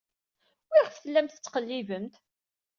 Wiɣef tellamt tettqellibemt?